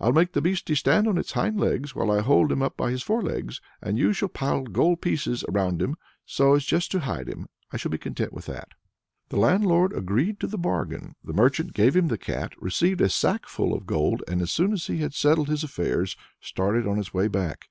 I'll make the beastie stand on his hind legs while I hold him up by his forelegs, and you shall pile gold pieces around him, so as just to hide him I shall be content with that!" The landlord agreed to the bargain. The merchant gave him the cat, received a sackful of gold, and as soon as he had settled his affairs, started on his way back.